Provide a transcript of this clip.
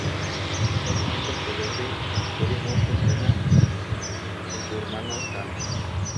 Notablemente, el poder de euforia no funciona en su hermano Thanos.